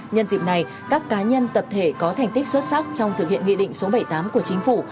nhân dịp này các cá nhân tập thể có thành tích xuất sắc trong thực hiện nghị định số bảy mươi tám của chính phủ